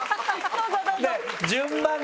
「どうぞどうぞ」。